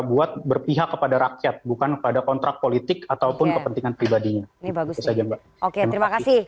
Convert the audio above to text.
buat berpihak kepada rakyat bukan pada kontrak politik ataupun kepentingan pribadinya oke terima kasih